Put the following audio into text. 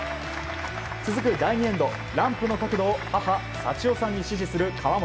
続く第２エンド、ランプの角度を母・幸代さんに指示する河本。